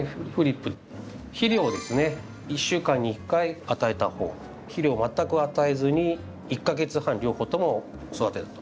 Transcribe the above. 肥料をですね１週間に１回与えた方肥料を全く与えずに１か月半両方とも育てたと。